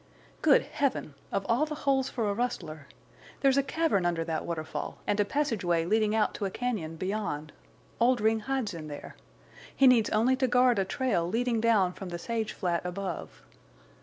"Good Heaven! Of all the holes for a rustler!... There's a cavern under that waterfall, and a passageway leading out to a cañon beyond. Oldring hides in there. He needs only to guard a trail leading down from the sage flat above.